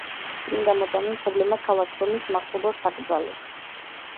წმინდა მოწამე მშობლებმა ქალაქ რომის მახლობლად დაკრძალეს.